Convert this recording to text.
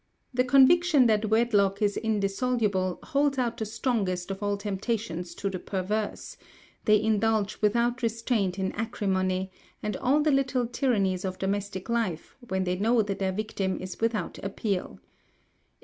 The conviction that wedlock is indissoluble, holds out the strongest of all temptations to the perverse; they indulge without restraint in acrimony, and all the little tyrannies of domestic life, when they know that their victim is without appeal.